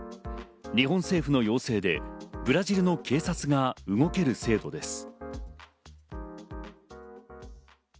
日本政府の要請でブラジルの警察が動ける制度です。